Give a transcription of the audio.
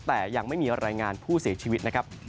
แต่ยังไม่มีรายงานผู้เสียชีวิตนะครับ